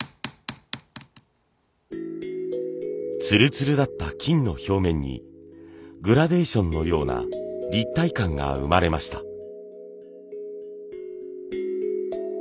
ツルツルだった金の表面にグラデーションのような立体感が生まれました。